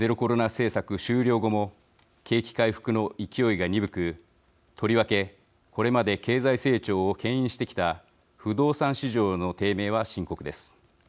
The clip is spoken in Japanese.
政策終了後も景気回復の勢いが鈍くとりわけ、これまで経済成長をけん引してきた不動産市場の低迷は深刻です。